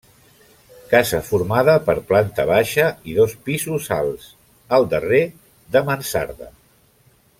Casa formada per planta baixa i dos pisos alts, el darrer de mansarda.